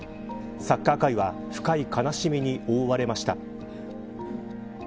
サッカー界は深い悲しみに覆われました。